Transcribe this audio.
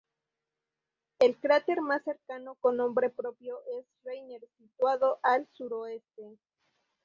El cráter más cercano con nombre propio es Reiner, situado al suroeste.